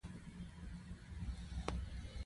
دا مخکشونه په رنګ، نقش او مختلف پرېړوالي کې جوړیږي.